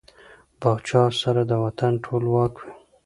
پاچا سره د وطن ټول واک وي .